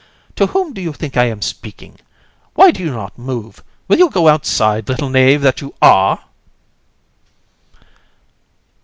To whom do you think I am speaking? Why do you not move? Will you go outside, little knave that you are!